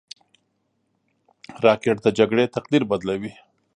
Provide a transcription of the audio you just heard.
راکټ د جګړې تقدیر بدلوي